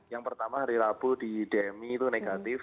yang pertama hari rabu di demi itu negatif